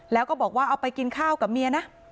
แล้วก็บอกว่าเอาไปกินข้าวกับเมียนะ